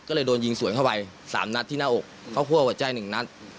ก็เลยโดนยิงสวนเข้าไป๓นัดที่หน้าอกเข้าคั่วหัวใจ๑นัด